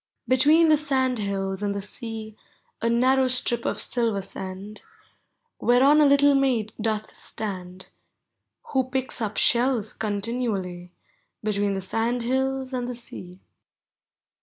Between the sandhills and the sea A narrow strip of silver sand. Whereon a little maid doth stand, Who picks up shells continually, Between the sandhills and the sea.